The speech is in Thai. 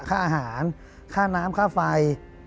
ค่าอาหารค่าน้ำค่าไฟ